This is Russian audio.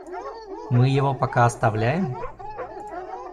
Мы его пока оставляем?